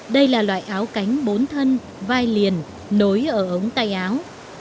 đây là loại áo cánh bốn thân vai liền nối ở ống tay áo